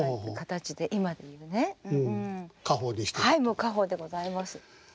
もう家宝でございます。